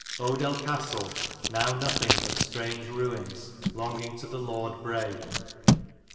Odel ^ Castel, now nothing but straunge ruines, longging to the Lord Bray.